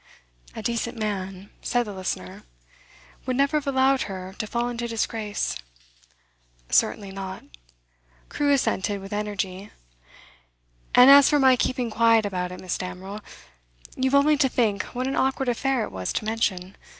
'A decent man,' said the listener, 'would never have allowed her to fall into disgrace.' 'Certainly not,' Crewe assented with energy. 'And as for my keeping quiet about it, Mrs. Damerel, you've only to think what an awkward affair it was to mention.